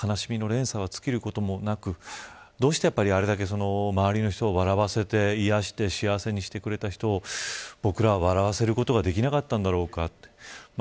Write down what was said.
悲しみの連鎖は尽きることもなくどうしても周りの人を笑わせて癒やして幸せにしてくれた人を僕らは笑わせることができなかったんだろうかと。